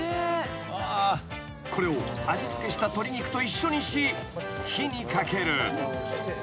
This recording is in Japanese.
［これを味付けした鶏肉と一緒にし火にかける］